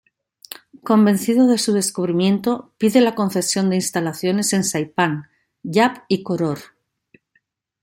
Convencido de su descubrimiento, pide la concesión de instalaciones en Saipán, Yap y Koror.